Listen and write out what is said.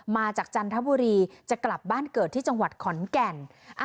จันทบุรีจะกลับบ้านเกิดที่จังหวัดขอนแก่น